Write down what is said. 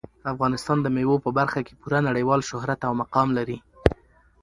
افغانستان د مېوو په برخه کې پوره نړیوال شهرت او مقام لري.